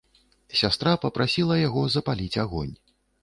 Сястра папрасіла яго запаліць агонь.